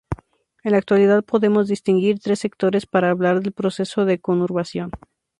En la actualidad podemos distinguir tres sectores para hablar del proceso de conurbación.